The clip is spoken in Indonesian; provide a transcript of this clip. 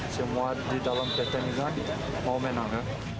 semua di dalam pertandingan mau menang